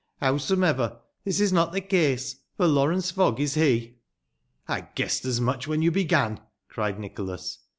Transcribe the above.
Howsomever, this is not the case, for Lawrence Fogg is he." " I guessed as much when you began," cried Nicholas.